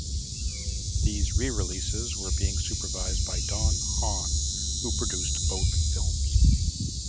These re-releases were being supervised by Don Hahn, who produced both films.